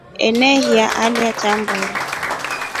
Enehiya alya nja buru.